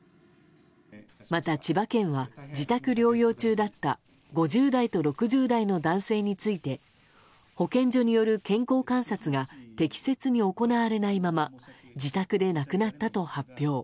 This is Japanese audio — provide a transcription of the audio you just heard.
また千葉県は自宅療養中だった５０代と６０代の男性について保健所による健康観察が適切に行われないまま自宅で亡くなったと発表。